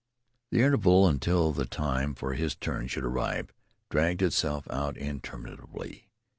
The interval until the time for his turn should arrive dragged itself out interminably.